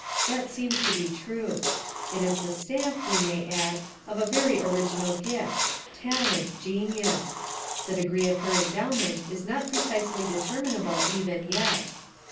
That seems to be true. It is the stamp, we may add, of a very original gift talent genius; the degree of her endowment is not precisely determinable even yet.